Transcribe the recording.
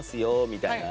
みたいな。